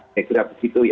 ya udah begitu ya